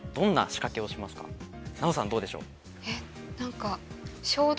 奈緒さんどうでしょう？